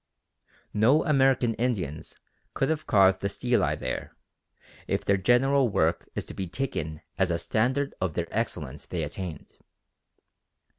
No American Indians could have carved the stelae there, if their general work is to be taken as a standard of the excellence they attained.